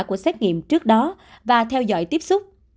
của xét nghiệm trước đó và theo dõi tiếp xúc